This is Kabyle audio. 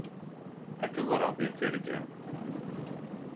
Ad k-ẓreɣ deg tirga-w.